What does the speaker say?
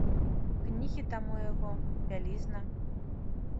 Кнігі там у яго, бялізна.